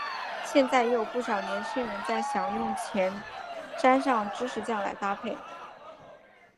现在也有不少年轻人在享用前沾上芝士酱来搭配。